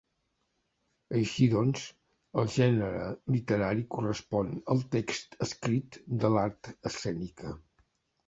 Així doncs, el gènere literari correspon al text escrit de l'art escènica.